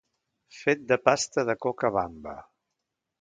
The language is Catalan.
Fet de pasta de coca bamba.